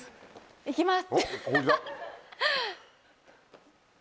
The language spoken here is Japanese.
行きます！